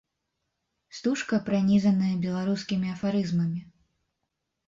Стужка пранізаная беларускімі афарызмамі.